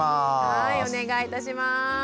はいお願いいたします。